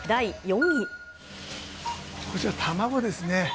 こちら、卵ですね。